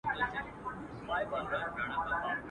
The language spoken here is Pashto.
چي به ښكار د كوم يو سر خولې ته نژدې سو.